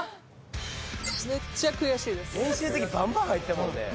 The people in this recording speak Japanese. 練習の時バンバン入ってたもんね。